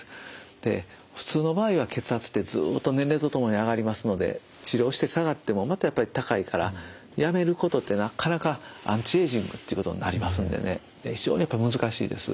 で普通の場合は血圧ってずっと年齢とともに上がりますので治療して下がってもまたやっぱり高いからやめることってなかなかアンチエイジングっていうことになりますので非常にやっぱり難しいです。